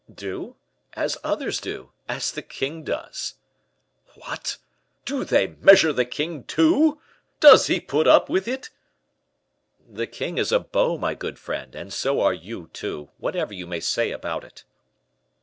"Do? As others do; as the king does." "What! do they measure the king, too? does he put up with it?" "The king is a beau, my good friend, and so are you, too, whatever you may say about it."